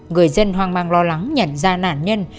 người dân hoang mang lo lắng nhận ra nạn nhân